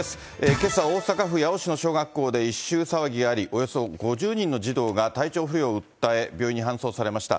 けさ大阪府八尾市の小学校で異臭騒ぎがあり、およそ５０人の児童が体調不良を訴え、病院に搬送されました。